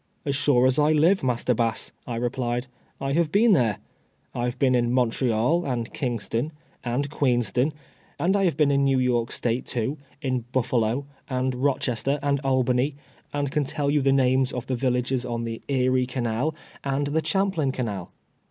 " As sure as I live, Master Bass," I replied, " I have been there. I have been in Montreal and Kingston, and Queenston, and a great many places in Canada, and I have been in York State, too — in Buffalo, and Ilochester, and Albany, and can tell you the names of the villages on the Erie canal and the Champlain canal."